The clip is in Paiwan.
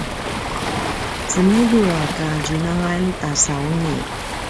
cemulju a kadjunangan ta sauni